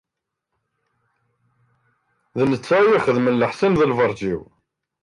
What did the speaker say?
D netta i iyi-ixeddmen leḥsan, d lbeṛǧ-iw.